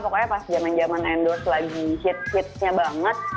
pokoknya pas jaman jaman endorse lagi hit hitnya banget